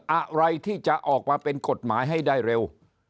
อะไรที่จะออกมาเป็นกฎหมายให้ได้เร็ว